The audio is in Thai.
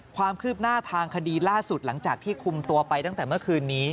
ความคืบหน้าทางคดีล่าสุดหลังจากที่คุมตัวไปตั้งแต่เมื่อคืนนี้